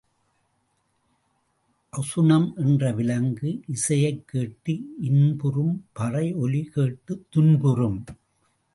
அசுணம் என்ற விலங்கு இசையைக் கேட்டு இன்புறும் பறையொலி கேட்டுத் துன்புறும்.